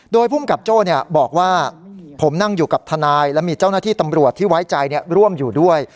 โดยภูมิกับโจ้บอกว่าผมนั่งอยู่กับทนายและมีเจ้าหน้าที่ตำรวจที่ไว้ใจร่วมอยู่ด้วย